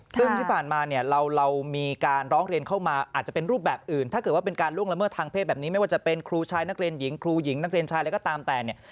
ซึ่งที่ผ่านมาเนี่ยเรามีการร้องเรียนเข้ามาอาจจะเป็นรูปแบบอื่นถ้าเกิดว่าเป็นการล่วงละเมิดทางเพศแบบนี้ไม่ว่าจะเป็นครูชายนักเรียนหญิงครูหญิงนักเรียนชายอะไรก็ตามแต่เนี่ย